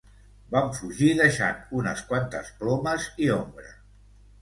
Vam fugir deixant unes quantes plomes i ombra.